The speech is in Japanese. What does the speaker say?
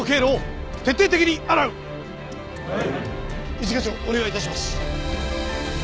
一課長お願い致します。